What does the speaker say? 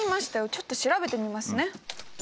ちょっと調べてみますね。